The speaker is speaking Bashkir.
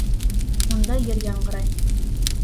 Унда йыр яңғырай: